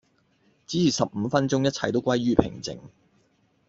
只是十五分鐘一切都歸於平靜